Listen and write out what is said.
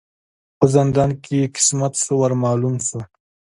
په زندان کی یې قسمت سو ور معلوم سو